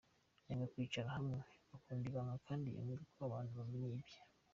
Yanga kwicara hamwe, akunda ibanga kandi yanga ko abantu bamenya ibye.